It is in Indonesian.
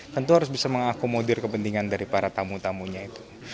tentu harus bisa mengakomodir kepentingan dari para tamu tamunya itu